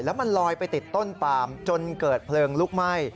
แล้วมันลอยไปติดต้นปามจนเกิดเพลิงลุกไหม้